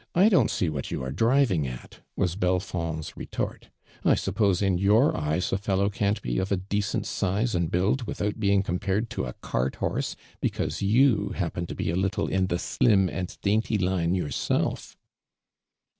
'•Idon't.seo what you are driving at!" was Belfonds retort. " 1 suppose in your eyes a fellow can't be of a decent size and Suihl without being compared to a cart horse because you happen to be a little in the slim and dainty line yourself!''